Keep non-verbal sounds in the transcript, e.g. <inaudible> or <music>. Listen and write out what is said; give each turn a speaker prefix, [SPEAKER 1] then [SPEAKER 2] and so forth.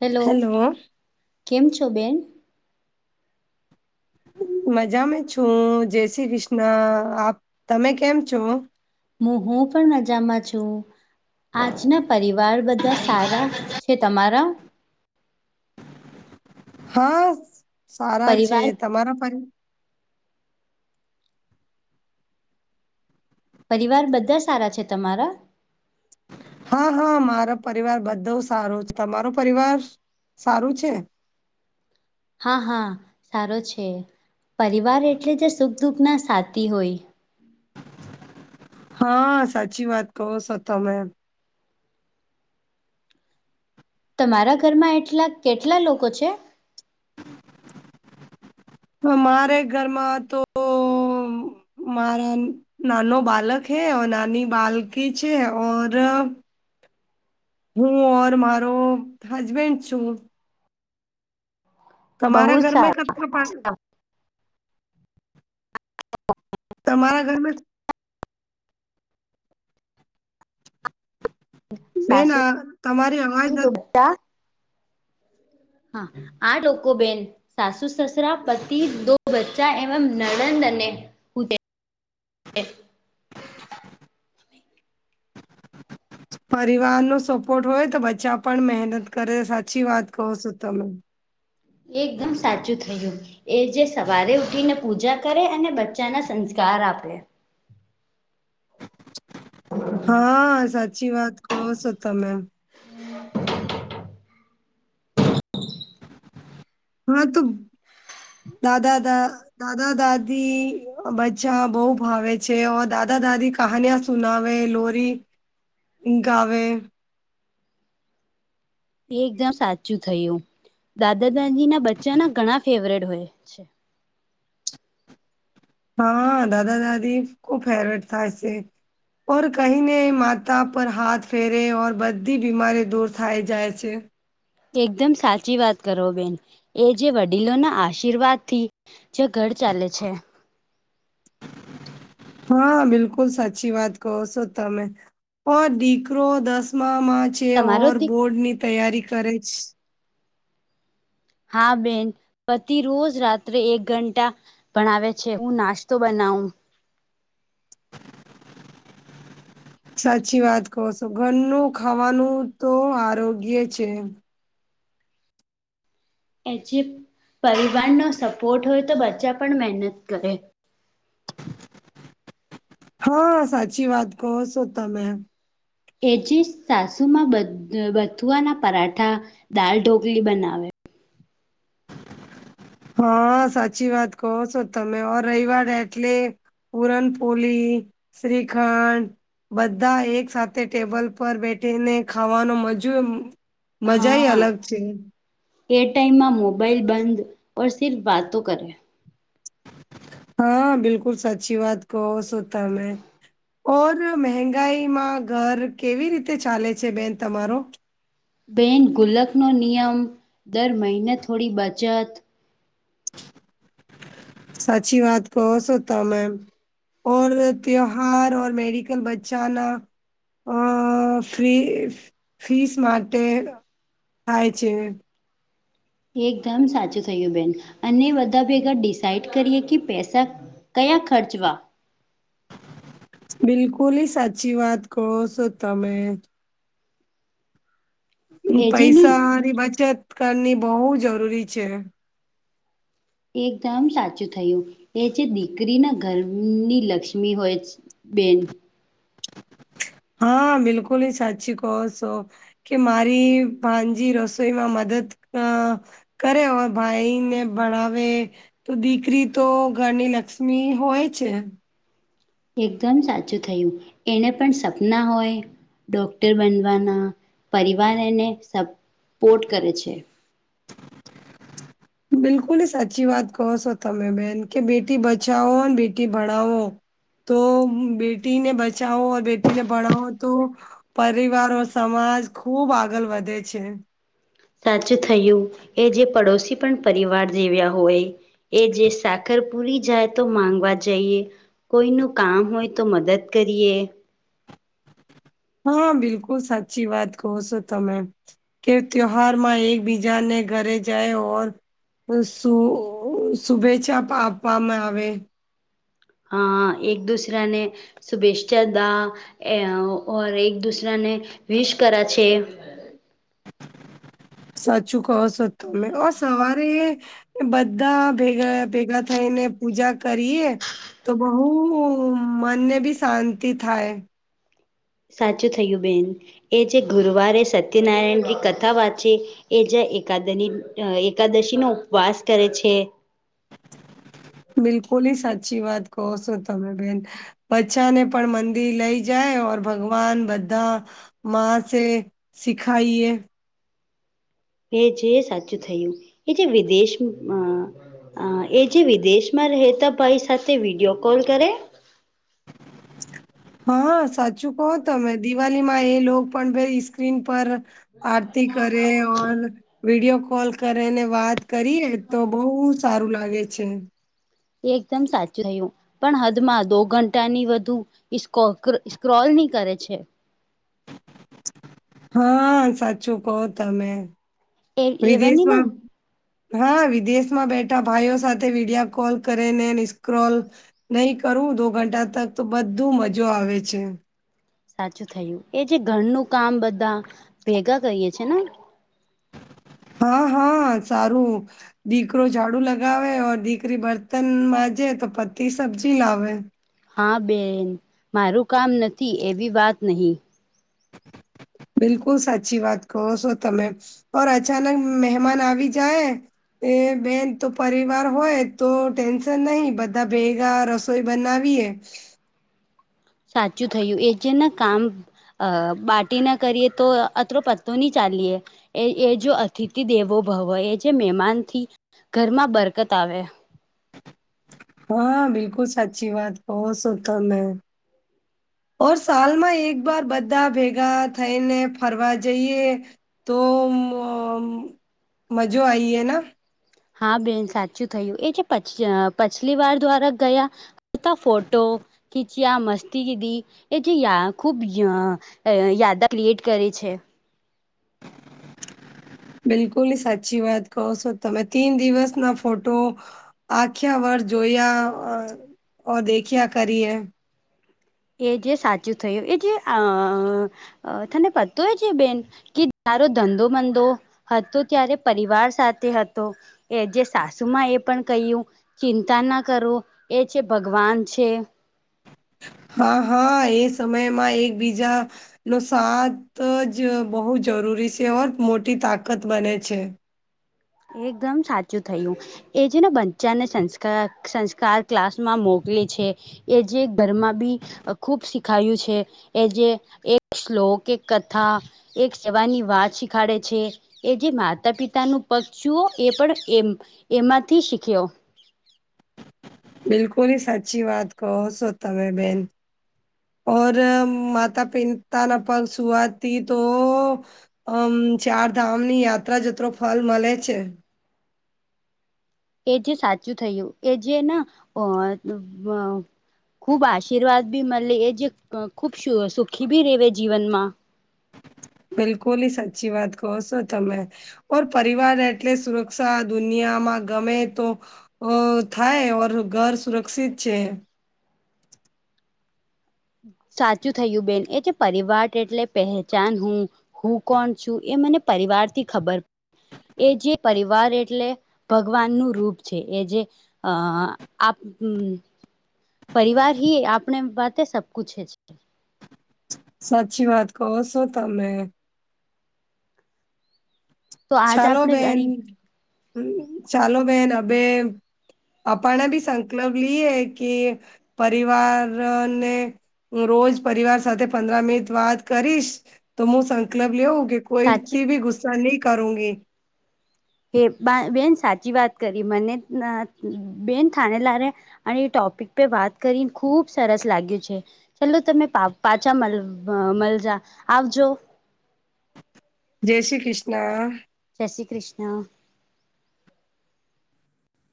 [SPEAKER 1] Hello કેમ છો બેન?
[SPEAKER 2] મજામાં છું જય શ્રી કૃષ્ણ આપ તમે કેમ છો?
[SPEAKER 1] હું હું પણ મજામાં છું આજના પરિવાર બધા સારા છે તમારા
[SPEAKER 2] હા સારા છે
[SPEAKER 1] પરિવાર
[SPEAKER 2] તમારા પણ
[SPEAKER 1] પરિવાર બધા સારા છે તમારા
[SPEAKER 2] હા હા મારો પરિવાર બધો સારો છે તમારો પરિવાર સારું છે.
[SPEAKER 1] હા હા સારો છે પરિવાર એટલે જે સુખ દુઃખના સાથી હોય
[SPEAKER 2] હા સાચી વાત કહો છો તમે
[SPEAKER 1] તમારા ઘરમાં એટલા કેટલા લોકો છે?
[SPEAKER 2] મારે ઘરમાં તો મારા નાનો બાલક હૈ ઔર નાની બાલકી જ છે ઔર હું ઓર મારો હસબેન્ડ છું.
[SPEAKER 1] બહુ
[SPEAKER 2] તમારા ઘર મે કચ પા
[SPEAKER 1] સારા
[SPEAKER 2] તમારા ઘરમાં બેન અહ તમારી અવાજ
[SPEAKER 1] તા હા આ લોકો બેન સાસુ સસરા પતિ દો બચ્ચા એમ નડંદ અને એ
[SPEAKER 2] પરિવાર નો સપોર્ટ હોય તો બચ્ચા પણ મહેનત કરે સાચી વાત કહો છો તમે.
[SPEAKER 1] એકદમ સાચું થયું. એ જે સવારે ઉઠીને પૂજા કરે અને બચ્ચાના સંસ્કાર આપે. <inaudible>
[SPEAKER 2] હા, સાચી વાત કહો છો તમે.
[SPEAKER 1] <inaudible>
[SPEAKER 2] હા, તો દાદા દા દાદા દાદી બચ્ચા બો ભાવે છે ઔર દાદા દાદી કાહાનિયા સુનાવે લોરી ગાવે
[SPEAKER 1] એ એકદમ સાચું થયું. દાદા દાદી ના બચ્ચા ના ઘણા ફેવરેટ હોય છે.
[SPEAKER 2] હા દાદા દાદી ખુબ ફેવરેટ થાય સે. ઓર કહીને માતા પર હાથ ફેરે ને બધી બીમારી દૂર થાય જાય છે.
[SPEAKER 1] એકદમ સાચી વાત કરો બેન એ જે વડીલો ના આશીર્વાદ થી જ ઘર ચાલે છે.
[SPEAKER 2] હા, બિલકુલ સાચી વાત કહો છો તમે. ઓર દીકરો દસમામાં છે
[SPEAKER 1] તમારો
[SPEAKER 2] ઓર
[SPEAKER 1] દીક
[SPEAKER 2] બોર્ડ ની તૈયારી કરે છે
[SPEAKER 1] હા બેન પતિ રોજ રાત્રે એક ઘંટા ભણાવે છે હું નાસ્તો બનાવું
[SPEAKER 2] સાચી વાત કહો છો ઘરનું ખાવાનું તો આરોગ્ય છે.
[SPEAKER 1] એ જે પરિવારનો સપોર્ટ હોય તો બચ્ચા પણ મહેનત કરે.
[SPEAKER 2] હા સાચી વાત કહો છો તમે.
[SPEAKER 1] એજીસ સાસુમાં બ-બથુઆના પરાઠા દાળ ઢોકલી બનાવે.
[SPEAKER 2] હા, સાચી વાત કહો છો તમે ઓ રવિવાર એટલે પુરનપોલી, શ્રીખંડ બધા એક સાથે ટેબલ પર બેઠીને ખાવાનો મજુ મજાઈ
[SPEAKER 1] હા
[SPEAKER 2] અલગ છે.
[SPEAKER 1] એ ટાઈમમાં મોબાઈલ બંધ ઓર સિર્ફ વાતો કરે.
[SPEAKER 2] હા, બિકુલ સાચી વાત કહો સો તમે. ઓર મહેંગાઈમાં ઘર કેવી રીતે ચાલે છે બેન તમારો?
[SPEAKER 1] બેન ગુલકનો નિયમ દર મહિને થોડી બચત
[SPEAKER 2] સાચી વાત કહો સો તમે. ઔર તિયોહાર મેડિકલ બચ્ચા ના અહ ફ્રી ફીસ માટે થાય છે.
[SPEAKER 1] એકદમ સાચું થયું બેન અને બધા ભેગા ડિસાઈડ કરીએ કે પૈસા ક્યા ખર્ચવા.
[SPEAKER 2] બિલકુલી સાચી વાત કહો છો તમે.
[SPEAKER 1] એ જે ની
[SPEAKER 2] પૈસાની બચત કરની બોવ જરૂરી છે.
[SPEAKER 1] એકદમ સાચું થયું એ જે દીકરીના ઘરની લક્ષ્મી હોય છે બેન.
[SPEAKER 2] હા બિલકુલ હી સાચી કહો છો કે મારી ભાજી રસોઈમાં મદદ અ કરે ઓર ભાઈને ભણાવે તો દીકરી તો ઘરની લક્ષ્મી હોય છે
[SPEAKER 1] એકદમ સાચું થયું એના પણ સપના હોય ડોક્ટર બનવાના પરિવાર એને સપોર્ટ કરે છે
[SPEAKER 2] બિલકુલ સાચી વાત કહો છો તમે બેન કે બેટી બચાવો અને બેટી ભણાવો તો બેટીને બચાઓ બેટીને ભણાવો તો પરિવારો સમાજ ખુબ આગળ વધે છે
[SPEAKER 1] સાચું થયું એ જે પડોશી પણ પરિવાર જેવ્યા હોય એ જે સાકર પુરી જાય તો માંગવા જઈએ કોઈનું કામ હોય તો મદદ કરીએ
[SPEAKER 2] હા બિલકુલ સાચી વાત કહો છો તમે કે તહેવારમાં એકબીજાને ઘરે જાય ઓ શું શુભેચ્છા આપવામાં આવે
[SPEAKER 1] અ એક દુસરાને શુભેચ્છા દા એક દુસરાને વિશ કરા છે
[SPEAKER 2] સાચું કહો છો તમે ઓ સવારે બધા ભેગા ભેગા થઈને પૂજા કરીએ તો બહુ મનને બી શાંતિ થાય
[SPEAKER 1] સાચું થયું બેન એ જે ગુરુવારે સત્યનારાયણની કથા વાંચી એ જ એકાદની એકાદશીનો ઉપવાસ કરે છે
[SPEAKER 2] બિલકુલી સાચી વાત કહો છો તમે બેન બચાને પણ મંદિર લઈ જાય ઓર ભગવાન બધા મા છે સીખાઈએ
[SPEAKER 1] કે જે સાચું થયું એ જે વિદેશમાં એ જે વિદેશમાં રહેતા ભાઈ સાથે વિડીયો કોલ કરે
[SPEAKER 2] હા સાચું કહો તમે દિવાળીમાં એ લો પણ બે સ્ક્રીન પર આરતી કરે વિડિયો કોલ કરે ને વાત કરીએ તો બહુ સારું લાગે છે
[SPEAKER 1] એ એકદમ સાચું થયું પણ હદમાં દો ઘંટા ની વધુ સ્ક્રો સ્ક્રોલ ની કરે છે
[SPEAKER 2] હા સાચું કહો તમે
[SPEAKER 1] એ એવાની ના
[SPEAKER 2] વિદેશમાં હા વિદેશમાં બેઠા ભાઈઓ સાથે વિડીયો કોલ કરે ને સ્ક્રોલ નહી કરું દો ઘંટા તક તો બધું મજો આવે છે
[SPEAKER 1] સાચું થયું એ જે ઘરનું કામ બધા ભેગા કરીએ છે ને
[SPEAKER 2] હા હા સારું દીકરો ઝાડુ લગાવે ઓર દીકરી બરતન બાજે તો પત્તી સબ્જી લાવે
[SPEAKER 1] હા બેન મારું કામ નથી એવી વાત નહી
[SPEAKER 2] બિલકુલ સાચી વાત કહો છો તમે ઓ અચાનક મહેમાન આવી જાય એ બેન તો પરિવાર હોય તો ટેન્શન નહી બધા ભેગા રસ સોઈ બનાવીએ
[SPEAKER 1] સાચું થયું એ જે ને કામ અ બાટીના કરીએ તો અત્રો પત્તો નહી ચાલીએ એ એ જો અતિથિ દેવો ભવ એ જે મહેમાનથી ઘરમાં બરકત આવે
[SPEAKER 2] હા બિલકુલ સાચી વાત કહો છો તમે ઓર સાલમાં એક વાર બધા ભેગા થઈને ફરવા જઈએ તો મજો આઈ હે ના
[SPEAKER 1] હા બેન સાચું થયું એ જે પ પછલી વાર દ્વારા ગયા તા ફોટો ખીચ્યા મસ્તી કીધી એ જે યા ખૂબ ય યાદા ક્રિએટ કરે છે
[SPEAKER 2] બિલકુલી સાચી વાત કહો છો તમે તીન દિવસના ફોટો આખ્યા વાર જોયા અ દેખ્યા કરીએ
[SPEAKER 1] એ જે સાચું થયું એ જે અ તને પતું હોય છે બેન કે તારો ધંધો મંધો હતો ત્યારે પરિવાર સાથે હતો એ જે સાસુમાં એ પણ કહ્યું ચિંતા ના કરો એ છે ભગવાન છે
[SPEAKER 2] હા હા એ સમયમાં એકબીજા એનો સાત જ બહુ જરૂરી છે ઓર મોટી તાકાત બને છે
[SPEAKER 1] એકદમ સાચું થયું એ છે ને બચ્ચાને સંસ્કા સંસ્કાર ક્લાસમાં મોકલે છે એ જે ઘરમાં બી ખુબ શીખાવ્યુ છે એ જે એક શ્લોક એક કથા એક સેવાની વાત શીખાડે છે એ જે માતા પિતાનું પક્સુઓ એ પણ એમ એમાંથી શીખ્યો
[SPEAKER 2] બિલકુલ સાચી વાત કહો છો તમે બેન ઔર માતા પિતા ના પક્ષવાતી તો આમ ચાર ધામની યાત્રા જત્રો ફલ મળે છે
[SPEAKER 1] એ જે સાચું થયું એ જે ના અ ખૂબ આશીર્વાદ બી મળે એ જે ખૂબ સુખી બી રવે જીવનમાં
[SPEAKER 2] બિલકુલી સાચી વાત કહો છો તમે ઓર પરિવાર એટલે સુરક્ષા દુનિયામાં ગમે તો અ થાય ઓર ઘર સુરક્ષિત છે
[SPEAKER 1] સાચું થયું બેન એ જે પરિવાર એટલે પહેચાન હું હું કોણ છું એ મને પરિવાર થી ખબર એ જે પરિવાર એટલે ભગવાન નું રૂપ છે એ જે અ આપ પરિવાર હી આપણે બાતે સબકુછ હે
[SPEAKER 2] સાચી વાત કહો શો તમેં
[SPEAKER 1] તો આજ
[SPEAKER 2] ચાલો
[SPEAKER 1] આપણે
[SPEAKER 2] બેન
[SPEAKER 1] અણી
[SPEAKER 2] ચાલો બેન અબે આપણે બી સંકલપ લિયે કે પરિવાર ને રોજ પરિવાર સાથે પંદર મિનિટ વાત કરીશ તો મુું સંકલપ લેવું કે
[SPEAKER 1] સાચી
[SPEAKER 2] કોઈથી ભી ગુસ્સા ની કરુંગી
[SPEAKER 1] કે બા બેન સાચી વાત કરી મને બેન થાણે લારે અને ટોપિક પે વાત કરીને ખુબ સરસ લાગ્યું છે ચલો તમે પા પાછા મળ મલજા આવજો
[SPEAKER 2] જય શ્રી કૃષ્ણ
[SPEAKER 1] જય શ્રી કૃષ્ણ